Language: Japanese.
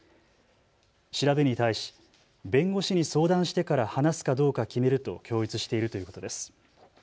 調べに対し弁護士に相談してから話すかどうか決めると供述しているということです。